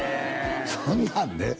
そんなんね